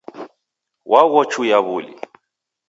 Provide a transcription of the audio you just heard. Waghochuya wuli